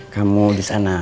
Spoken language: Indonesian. kamu di sana ya